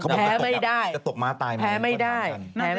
แพ้ไม่ได้แพ้ไม่ได้